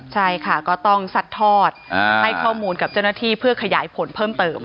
ใช่ค่ะก็ต้องซัดทอดให้ข้อมูลกับเจ้าหน้าที่เพื่อขยายผลเพิ่มเติม